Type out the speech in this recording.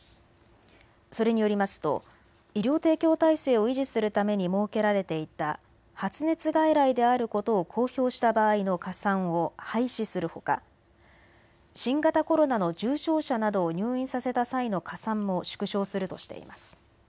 それによりますと医療提供体制を維持するために設けられていた発熱外来であることを公表した場合の加算を廃止するほか新型コロナの重症者などを入院させた際の加算も縮小するとしています。